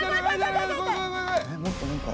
もっと何か。